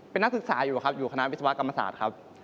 เป็นนักศึกษาอยู่ครับอยู่คณะวิศวกรรมศาสตร์ครับ